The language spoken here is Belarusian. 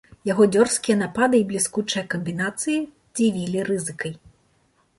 Яго дзёрзкія напады і бліскучыя камбінацыі дзівілі рызыкай.